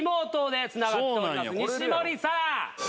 西森さん！